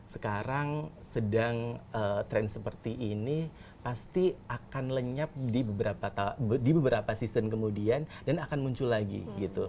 sekarang sedang tren seperti ini pasti akan lenyap di beberapa season kemudian dan akan muncul lagi gitu